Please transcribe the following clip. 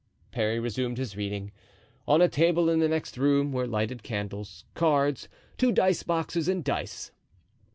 Parry resumed his reading. On a table in the next room were lighted candles, cards, two dice boxes, and dice.